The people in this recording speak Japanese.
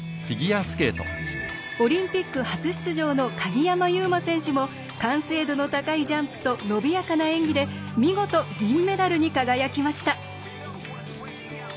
オリンピック初出場の鍵山優真選手も完成度の高いジャンプと伸びやかな演技で見事、銀メダルに輝きました。